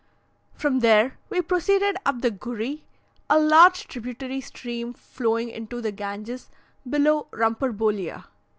From there we proceeded up the Gury, a large tributary stream flowing into the Ganges below Rumpurbolea.